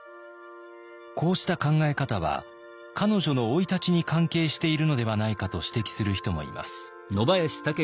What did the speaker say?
こうした考え方は彼女の生い立ちに関係しているのではないかと指摘する人もいます。